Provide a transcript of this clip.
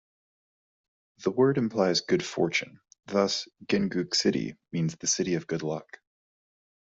The word implies good fortune, thus Gingoog City means the City of Good Luck.